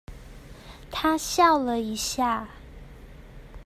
她笑了一下